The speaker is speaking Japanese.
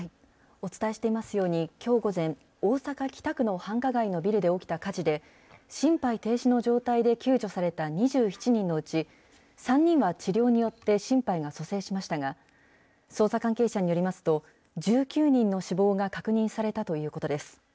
お伝えしていますように、きょう午前、大阪・北区の繁華街のビルで起きた火事で、心肺停止の状態で救助された２７人のうち、３人は治療によって心肺が蘇生しましたが、捜査関係者によりますと、１９人の死亡が確認されたということです。